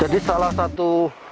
jadi salah satu